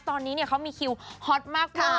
ตอนนี้เขามีคิวฮอตมาก